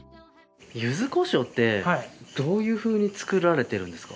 柚子胡椒ってどういうふうに作られてるんですか？